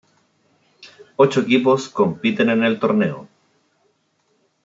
Ocho equipos compiten en el torneo.